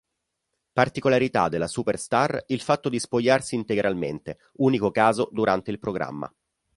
Particolarità della Superstar il fatto di spogliarsi integralmente, unico caso durante il programma.